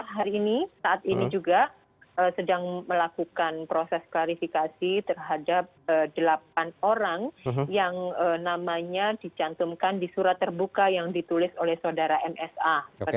hari ini saat ini juga sedang melakukan proses klarifikasi terhadap delapan orang yang namanya dicantumkan di surat terbuka yang ditulis oleh saudara msa